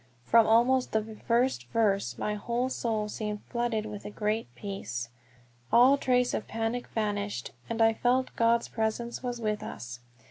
From almost the first verse my whole soul seemed flooded with a great peace; all trace of panic vanished; and I felt God's presence was with us.